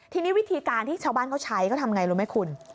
ทีนี้วิธีการที่ชาวบ้านเขาใช้เขาทำไงรู้ไหมคุณ